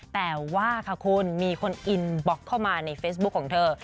แต่ว่าค่ะคุณมีคนอินบล็อกเข้ามาในเฟซบุ๊คของเธอ